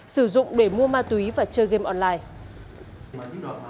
sử dụng để mua ma túy và chơi game online